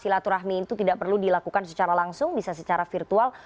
silaturahmi itu tidak perlu dilakukan secara langsung bisa secara virtual